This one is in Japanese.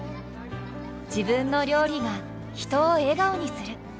自分の料理が人を笑顔にする。